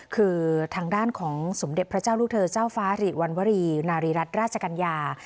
คือทางด้านของสมเด็จพระเจ้าลูกเธอเจ้าฟ้าหรีวันวรีนารีรัฐราชกัญญา